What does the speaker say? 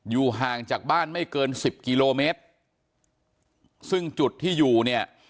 ห่างจากบ้านไม่เกินสิบกิโลเมตรซึ่งจุดที่อยู่เนี่ย